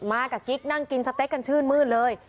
มากับกิ๊กนั่งกินสเต็กกันชื่นมืดเลย